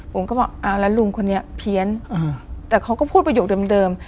ผมก็บอกเอาแล้วลุงคนนี้เพี้ยนแต่เขาก็พูดประโยคเดิม